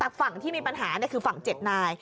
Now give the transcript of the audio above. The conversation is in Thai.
ฝั่งที่มีปัญหาคือฝั่ง๗นาย